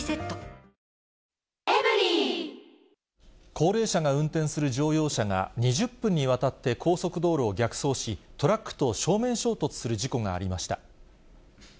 高齢者が運転する乗用車が、２０分にわたって高速道路を逆走し、トラックと正面衝突する事故がありました。